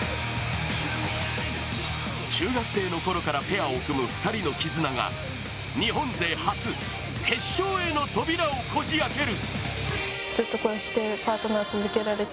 中学生のころからペアを組む２人の絆が日本勢初、決勝への扉をこじあける。